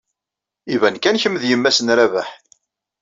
Iban kan kemm d yemma-s n Rabaḥ.